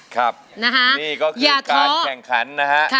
ครับนี่ก็คือการแข่งขันนะฮะ